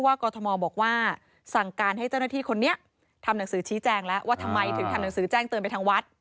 ว่าทำไมถึงทำหนังสือแจ้งเตือนไปทางวัด